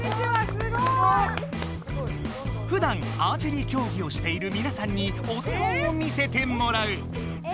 すごい！ふだんアーチェリーきょうぎをしているみなさんにお手本を見せてもらう！え？